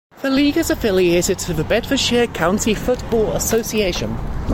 The league is affiliated to the Bedfordshire County Football Association.